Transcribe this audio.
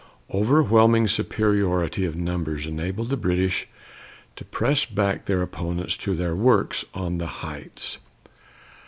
Overwhelming superiority of numbers enabled the British to press back their opponents to their works on the heights.